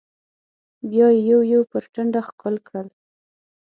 بيا يې يو يو پر ټنډه ښکل کړل.